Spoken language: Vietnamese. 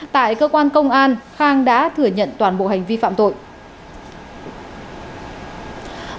tại cơ quan công an khang đã thừa nhận toàn bộ hành vi phạm tội